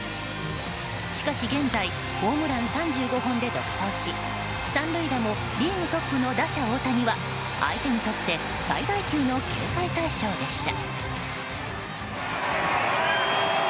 しかし、現在ホームラン３５本で独走し３塁打もリーグトップの打者・大谷は相手にとって最大級の警戒対象でした。